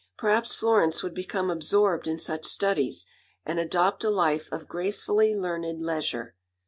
Perhaps Florence would become absorbed in such studies, and adopt a life of gracefully learned leisure.